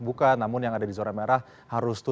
buka namun yang ada di zona merah harus